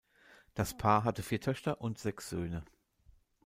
Das Paar hatte vier Töchter und sechs Söhne.